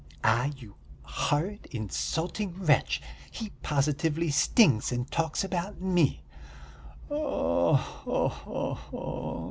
"Ah, you horrid, insulting wretch! He positively stinks and talks about me." "Oh ho ho ho!